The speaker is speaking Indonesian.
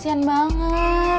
saya mau beri kamu satu perintah